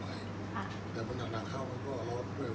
อันไหนที่มันไม่จริงแล้วอาจารย์อยากพูด